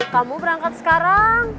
kamu berangkat sekarang